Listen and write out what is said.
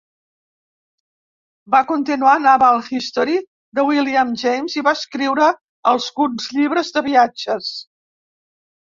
Va continuar "Naval History" de William James i va escriure alguns llibres de viatges.